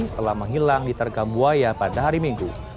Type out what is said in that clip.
setelah menghilang di tergambuaya pada hari minggu